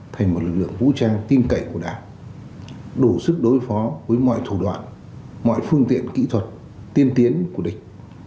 thành một lực lượng vũ trang tin cậy của đảng đủ sức đối phó với mọi thủ đoạn mọi phương tiện kỹ thuật tiên tiến của địch